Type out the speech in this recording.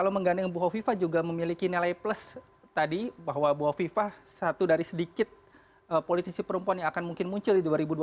dan menggandeng buho viva juga memiliki nilai plus tadi bahwa buho viva satu dari sedikit politisi perempuan yang akan mungkin muncul di dua ribu dua puluh empat